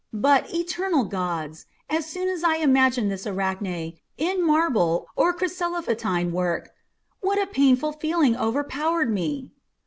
But, eternal gods! as soon as I imagined this Arachne in marble or chryselephantine work, what a painful feeling overpowered me!"